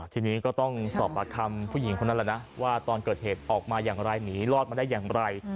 ทีนี้ก็ต้องสอบปากคำผู้หญิงคนนั้นแหละนะว่าตอนเกิดเหตุออกมาอย่างไรหนีรอดมาได้อย่างไร